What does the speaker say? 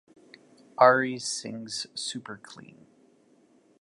Ari sings super clean.